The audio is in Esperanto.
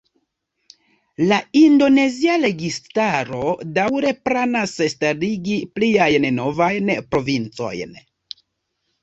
La indonezia registaro daŭre planas starigi pliajn novajn provincojn.